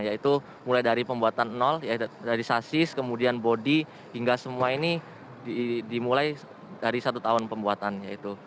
yaitu mulai dari pembuatan nol dari sasis kemudian bodi hingga semua ini dimulai dari satu tahun pembuatannya itu